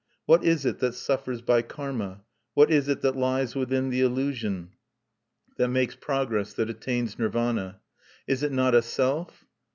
What is it that suffers by karma; what is it that lies within the illusion, that makes progress, that attains Nirvana? Is it not a self?